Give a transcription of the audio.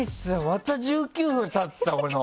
また１９分、経ってたの。